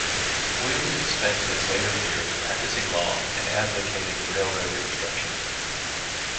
Williams spent his later years practicing law and advocating railroad construction.